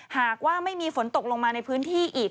หากว่าไม่มีฝนตกลงมาในพื้นที่อีก